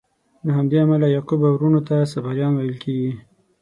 له همدې امله یعقوب او وروڼو ته صفاریان ویل کیږي.